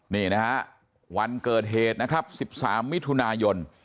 นี่นะฮะวันเกิดเหตุนะครับ๑๓มิถุนายน